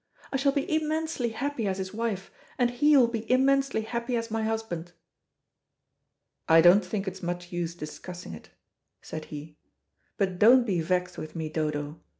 "I shall be immensely happy as his wife, and he will be immensely happy as my husband." "I don't think it's much use discussing it," said he. "But don't be vexed with me, Dodo.